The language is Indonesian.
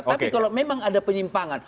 tapi kalau memang ada penyimpangan